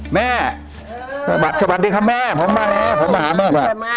แม่สวัสดีครับแม่ผมมาแล้วผมมาหาแม่มา